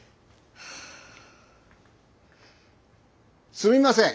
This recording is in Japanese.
・すみません！